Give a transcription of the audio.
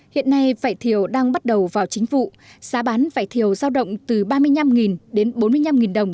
hiện nay vải thiều đang bắt đầu vào chính vụ giá bán vải thiều giao động từ ba mươi năm đến bốn mươi năm đồng